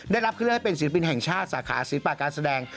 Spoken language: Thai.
ได้รับเครื่องให้เป็นศิลปินแห่งชาติสาขาศิลปะการแสดง